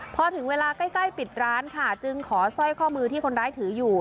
พอถึงเวลาใกล้ปิดร้านค่ะจึงขอสร้อยข้อมือที่คนร้ายถืออยู่